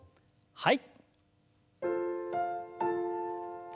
はい。